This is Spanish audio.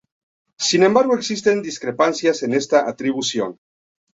Sin embargo, existen discrepancias en esta atribución.